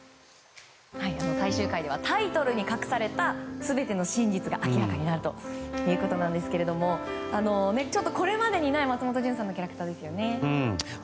最終回ではタイトルに隠された全ての真実が明らかになるということなんですけれどもちょっと、これまでにない松本潤さんのキャラクターですよね。